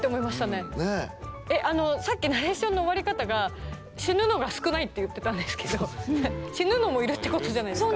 あのさっきナレーションの終わり方が死ぬのが少ないって言ってたんですけど死ぬのもいるってことじゃないですか？